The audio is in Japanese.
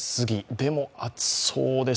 でも、暑そうです。